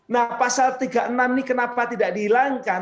nah pasal tiga puluh enam ini kenapa tidak dihilangkan